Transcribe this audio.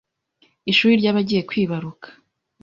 Ishuri ry’abagiye kwibaruka